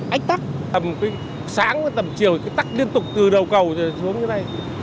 ánh tắc tầm sáng tầm chiều cái tắc liên tục từ đầu cầu rồi xuống như đây